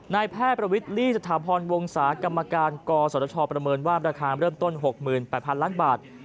นายแพทย์ประวิทลี่สถาพรวงศากรรมการกศชประเมินว่าราคาเริ่มต้น๖๘๐๐ล้านบาท